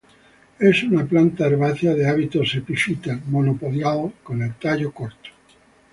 Es una planta herbácea de hábitos epifitas, monopodial con el tallo corto.